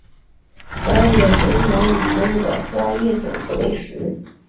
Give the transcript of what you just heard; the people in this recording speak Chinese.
白尾雷鸟以植物的花叶种子为食。